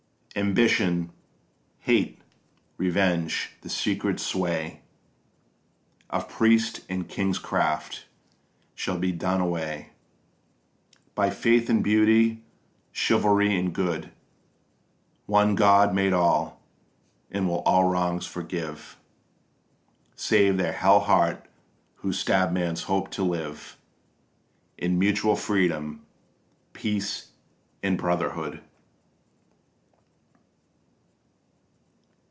Ambition, hate, revenge, the secret sway Of priest and kingcraft shall be done away By faith in beauty, chivalry and good. One God made all, and will all wrongs forgive Save their hell heart who stab man's hope to live In mutual freedom, peace and brotherhood.